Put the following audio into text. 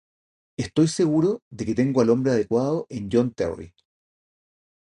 Estoy seguro de que tengo al hombre adecuado en John Terry.